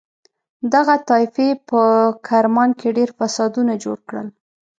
دغه طایفې په کرمان کې ډېر فسادونه جوړ کړل.